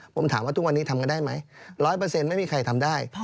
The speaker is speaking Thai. ผมถามว่าทุกวันนี้ทำกันได้ไหมร้อยเปอร์เซ็นต์ไม่มีใครทำได้